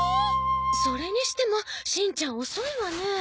それにしてもしんちゃん遅いわね。